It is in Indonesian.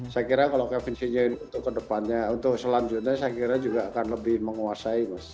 saya kira kalau kevin senyu ini untuk kedepannya untuk selanjutnya saya kira juga akan lebih menguasai mas